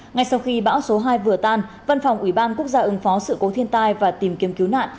ngay sau khi bão số hai vừa tan văn phòng ủy ban quốc gia ứng phó sự cố thiên tai và tìm kiếm cứu nạn